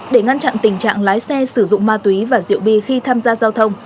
để ngăn chặn tình trạng lái xe sử dụng ma túy và rượu bia khi tham gia giao thông